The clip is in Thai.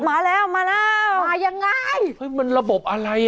มาแล้วมาแล้วมายังไงเฮ้ยมันระบบอะไรอ่ะ